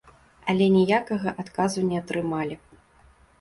Але ніякага адказу не атрымалі.